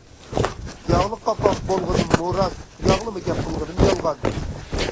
ياغلىق قاپاق بولغىنىممۇ راست، ياغلىما گەپ قىلغىنىم يالغان.